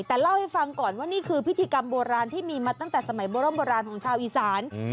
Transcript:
แต่เล่าให้ฟังก่อนว่านี่คือพิธีกรรมโบราณที่มีมาตั้งแต่สมัยโบร่มโบราณของชาวอีสาน